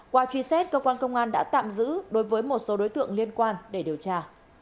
qua truy xét cơ quan công an đã tạm giữ đối với một số đối tượng liên quan để điều tra